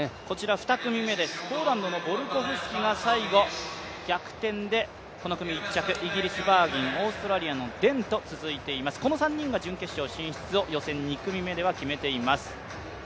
２組目ですが、ポーランドのボルコフスキが最後逆転でこの組１着、イギリス、バーギン、オーストラリアのデンとこの３人が準決勝進出を予選２組目では決めています。